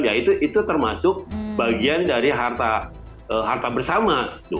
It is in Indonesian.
ya itu termasuk bagian dari harta bersama